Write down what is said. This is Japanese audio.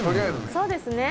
そうですね。